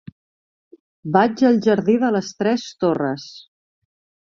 Vaig al jardí de les Tres Torres.